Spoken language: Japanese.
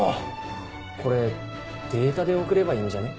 これデータで送ればいいんじゃね？